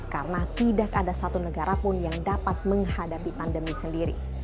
karena tidak ada satu negara pun yang dapat menghadapi pandemi sendiri